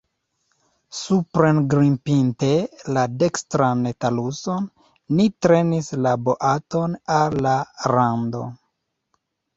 Suprengrimpinte la dekstran taluson, ni trenis la boaton al la rando.